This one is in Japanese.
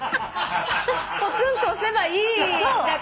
ポツンと押せばいいんだから。